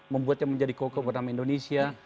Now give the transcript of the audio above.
membuatnya menjadi koko pertama indonesia